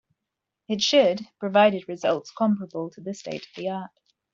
It should provided results comparable to the state of the art.